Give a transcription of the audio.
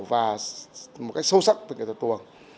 và một cách sâu sắc về nghệ thuật tuồng